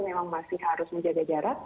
memang masih harus menjaga jarak